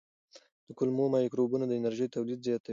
د کولمو مایکروبونه د انرژۍ تولید زیاتوي.